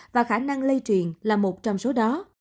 và khả năng lây truyền là một trong số đó